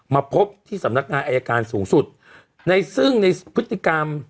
มาพบที่สำนักงานอายการสูงสุดในซึ่งในพฤติกรรม